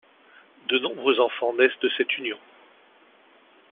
De nombreux enfants naissent de cette union.